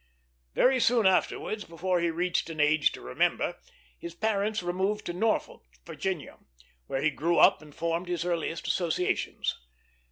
Very soon afterwards, before he reached an age to remember, his parents removed to Norfolk, Virginia, where he grew up and formed his earliest associations.